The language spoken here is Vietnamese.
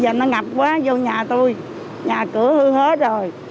giờ nó ngập quá vô nhà tôi nhà cửa hư hết rồi